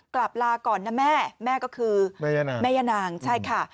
กลับลาก่อนนะแม่แม่ก็คือแม่ย่านางใช่ค่ะ